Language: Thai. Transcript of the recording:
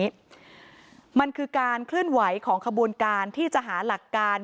อย่างรวดเร็วแบบนี้มันคือการคลื่นไหวของขบูรณ์การที่จะหาหลักการ